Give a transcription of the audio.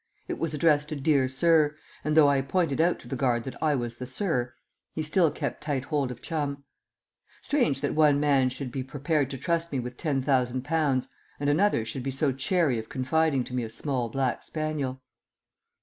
It was addressed to "Dear Sir," and though I pointed out to the guard that I was the "Sir," he still kept tight hold of Chum. Strange that one man should be prepared to trust me with £10,000, and another should be so chary of confiding to me a small black spaniel.